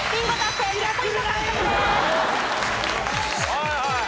はいはい。